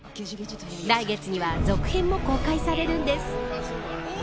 来月には続編も公開されるんです。